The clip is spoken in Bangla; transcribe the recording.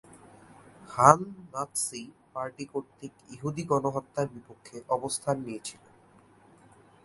হান নাৎসি পার্টি কর্তৃক ইহুদী গণহত্যার বিপক্ষে অবস্থান নিয়েছিলেন।